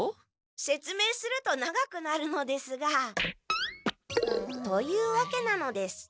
せつめいすると長くなるのですが。というわけなのです。